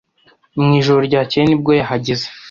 Mwijoro ryakeye nibwo yahageze